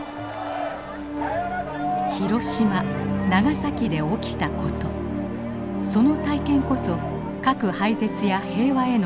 「広島長崎で起きた事その体験こそ核廃絶や平和への原動力になる」。